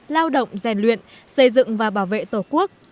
lao động rèn luyện xây dựng và bảo vệ tổ quốc